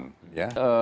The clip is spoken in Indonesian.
jadi saya menurut saya